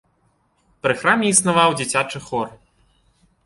Пры храме існаваў дзіцячы хор.